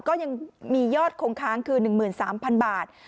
ก็ยังมียอดคงค้างคือ๑๓๐๐๐บาท